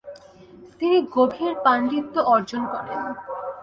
তিনি গভীর পাণ্ডিত্য অর্জন করেন।